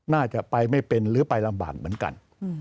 น่าจะไปไม่เป็นหรือไปลำบากเหมือนกัน